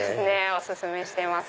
お薦めしてます。